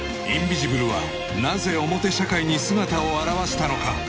インビジブルはなぜ表社会に姿を現したのか？